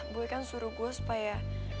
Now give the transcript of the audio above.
gue kan suruh gue supaya